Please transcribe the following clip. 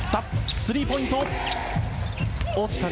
スリーポイント落ちた。